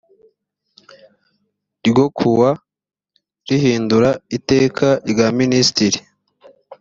ryo kuwa rihindura iteka rya minisitiri